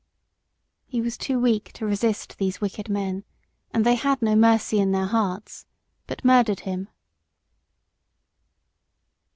] He was too weak to resist these wicked men, and they had no mercy in their hearts, but murdered him.